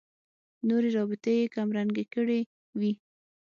نورې رابطې یې کمرنګې کړې وي.